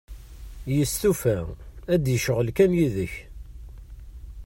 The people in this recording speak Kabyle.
Yestufa, ad d-yecɣel kan yid-k.